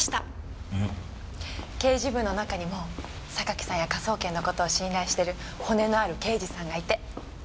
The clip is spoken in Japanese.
刑事部の中にも榊さんや科捜研の事を信頼してる骨のある刑事さんがいて。